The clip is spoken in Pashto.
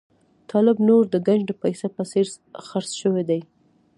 طالب نور د ګنج د پسه په څېر خرڅ شوی دی.